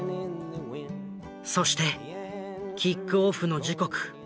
そしてキックオフの時刻。